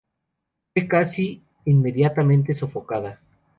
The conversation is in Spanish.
Fue casi inmediatamente sofocada.